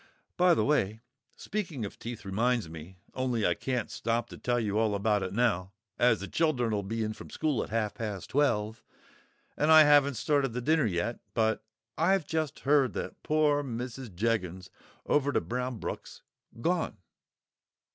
"By the way, speaking of teeth reminds me—only I can't stop to tell you all about it now, as the children'll be in from school at half past twelve, and I haven't started the dinner yet—but I've just heard that poor Mrs. Jeggins over to Brownbrook's gone."